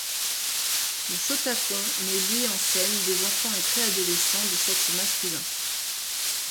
Le shotacon met lui en scène des enfants et préadolescents de sexe masculin.